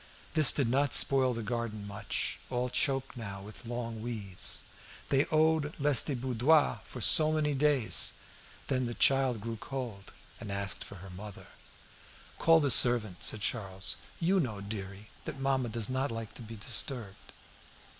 This did not spoil the garden much, all choked now with long weeds. They owed Lestiboudois for so many days. Then the child grew cold and asked for her mother. "Call the servant," said Charles. "You know, dearie, that mamma does not like to be disturbed."